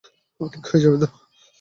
ও ঠিক হয়ে যাবে তো?